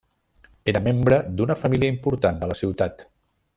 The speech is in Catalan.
Era membre d'una família important de la ciutat.